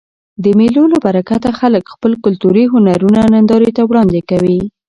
د مېلو له برکته خلک خپل کلتوري هنرونه نندارې ته وړاندي کوي.